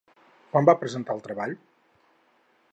Quan va presentar el treball?